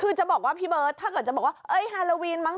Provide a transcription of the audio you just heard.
คือจะบอกว่าพี่เบิร์ตถ้าเกิดจะบอกว่าเอ้ยฮาโลวีนมั้